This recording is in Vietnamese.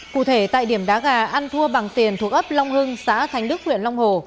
cụ thể tại điểm đá gà ăn thua bằng tiền thuộc ấp long hưng xã thánh đức huyện long hồ